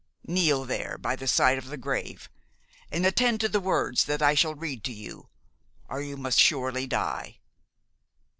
Kneel there, by the side of the grave, and attend to the words that I shall read to you, or you must surely die!